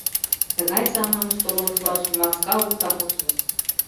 — Тыгай саманыш толын шуаш Маска утарыже!..